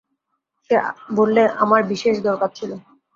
সে বললে, আমার বিশেষ দরকার ছিল।